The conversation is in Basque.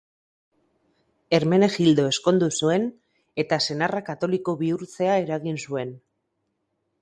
Hermenegildo ezkondu zuen eta senarra katoliko bihurtzea eragin zuen.